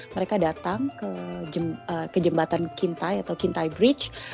mereka datang ke jembatan kintai atau kintai bridge